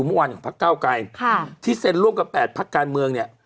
เมื่อวันของพระเก้าไก่ค่ะที่เซ็นร่วมกับแปดพระการเมืองเนี้ย